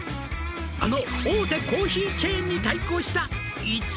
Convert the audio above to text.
「あの大手コーヒーチェーンに対抗した」